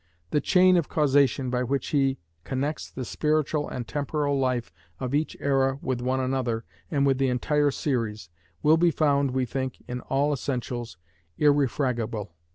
The chain of causation by which he connects the spiritual and temporal life of each era with one another and with the entire series, will be found, we think, in all essentials, irrefragable.